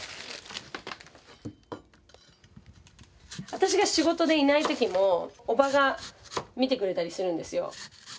私が仕事でいない時も伯母が見てくれたりするんですよ。